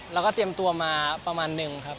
แล้วก็เตรียมตัวมาประมาณนึงครับ